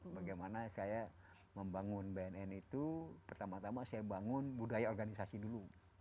bagaimana saya membangun bnn itu pertama tama saya bangun budaya organisasi dulu